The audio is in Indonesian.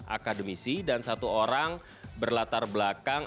akademisi dan satu orang berlatar belakang